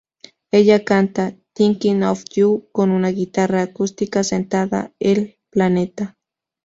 Ella canta "Thinking of You" con una guitarra acústica sentada el planeta.